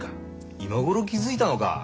今頃気付いたのか。